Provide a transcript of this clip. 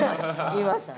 いました。